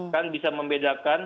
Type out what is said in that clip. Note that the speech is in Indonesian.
kan bisa membedakan